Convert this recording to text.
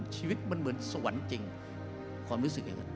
ชีวิตเหมือนสวรรค์จริง